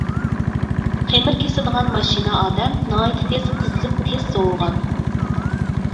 خېمىر كېسىدىغان ماشىنا ئادەم ناھايىتى تېز قىزىپ تېز سوۋۇغان.